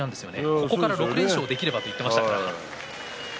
ここから６連勝できればと言っていました。